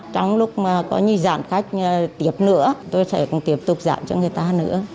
trong lúc mà có những giản khách tiếp nữa tôi sẽ tiếp tục giảm cho người ta nữa